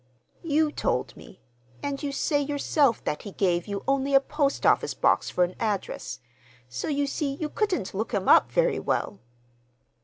"You told me; and you say yourself that he gave you only a post office box for an address. So you see you couldn't look him up very well."